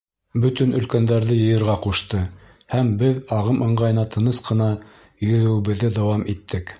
Бөтөн елкәндәрҙе йыйырға ҡушты, һәм беҙ ағым ыңғайына тыныс ҡына йөҙәүебеҙҙе дауам иттек.